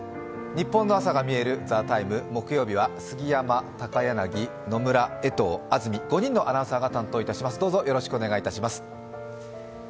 ニッポンの朝がみえる「ＴＨＥＴＩＭＥ，」木曜日は杉山、高柳、江藤、安住、５人のアナウンサーが担当いたします。